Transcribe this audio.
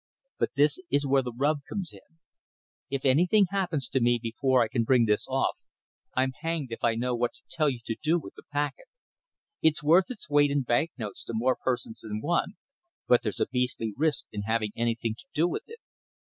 But this is where the rub comes in. If anything happens to me before I can bring this off, I'm hanged if I know what to tell you to do with the packet. It's worth its weight in banknotes to more persons than one, but there's a beastly risk in having anything to do with it.